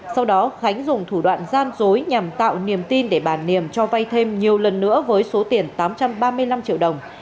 sau đó khánh dùng thủ đoạn gian dối nhằm tạo niềm tin để bà niềm cho vay thêm nhiều lần nữa với số tiền tám trăm ba mươi năm triệu đồng